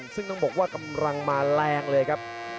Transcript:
ซึ่งต้องบอกว่ากำลังมาแรงเลยครับ